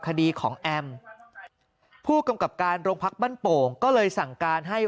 คดีของแอมผู้กำกับการโรงพักบ้านโป่งก็เลยสั่งการให้